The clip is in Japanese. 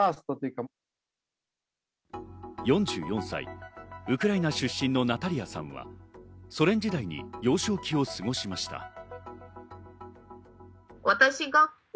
４４歳、ウクライナ出身のナタリアさんはソ連時代に幼少期を過ごしました。